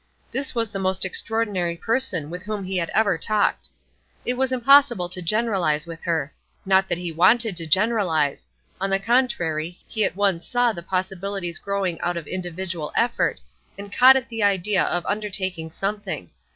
This was the most extraordinary person with whom he had ever talked. It was impossible to generalize with her. Not that he wanted to generalize; on the contrary, he at once saw the possibilities growing out of individual effort, and caught at the idea of undertaking something.